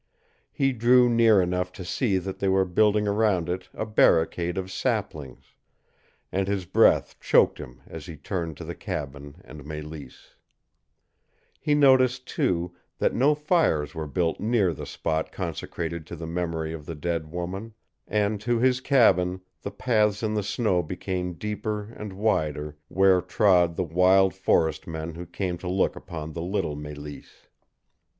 He drew near enough to see that they were building around it a barricade of saplings; and his breath choked him as he turned to the cabin and Mélisse. He noticed, too, that no fires were built near the spot consecrated to the memory of the dead woman; and to his cabin the paths in the snow became deeper and wider where trod the wild forest men who came to look upon the little Mélisse.